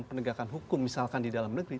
penegakan hukum misalkan di dalam negeri